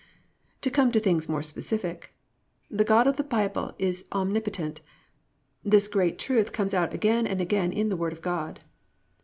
2. To come to things more specific, the God of the Bible is omnipotent. This great truth comes out again and again in the Word of God.